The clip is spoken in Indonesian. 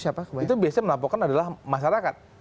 itu biasanya melaporkan adalah masyarakat